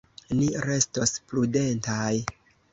Ni restos prudentaj.